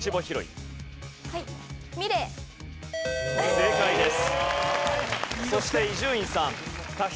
正解です。